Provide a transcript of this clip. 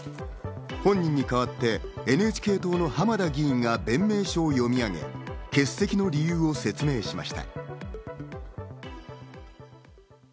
本人に代わってＮＨＫ党の浜田議員が弁明書を読み上げ、欠席の理由を説明しました。